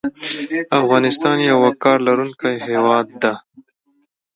افغانستان یو وقار لرونکی هیواد ده